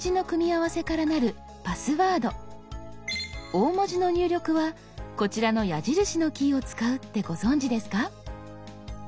大文字の入力はこちらの矢印のキーを使うってご存じですか？